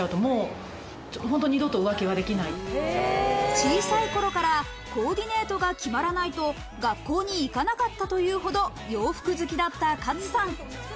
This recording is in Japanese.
小さい頃からコーディネートが決まらないと学校に行かなかったというほど洋服好きだった勝さん。